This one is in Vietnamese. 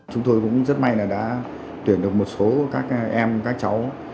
chúng tôi cũng rất may là đã tuyển được một số các em các cháu